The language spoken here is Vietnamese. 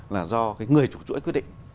là do người chủ chuỗi quyết định